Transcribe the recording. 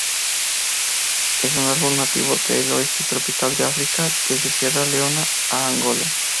Es un árbol nativo del oeste tropical de África desde Sierra Leona a Angola.